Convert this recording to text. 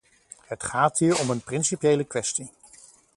Het gaat hier om een principiële kwestie.